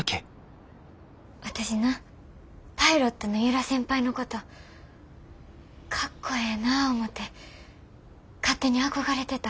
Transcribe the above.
私なパイロットの由良先輩のことかっこええな思て勝手に憧れてた。